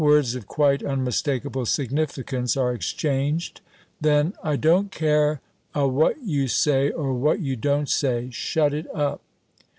Words of quite unmistakable significance are exchanged. Then "I don't care a what you say or what you don't say! Shut it up!"